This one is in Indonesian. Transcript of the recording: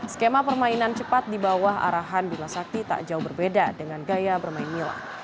skema permainan cepat dibawah arahan bima sakti tak jauh berbeda dengan gaya bermain mila